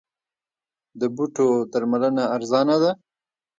د بوټو درملنه ارزانه ده؟